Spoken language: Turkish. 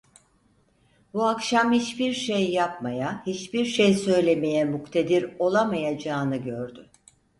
Bu akşam hiçbir şey yapmaya, hiçbir şey söylemeye muktedir olamayacağını gördü.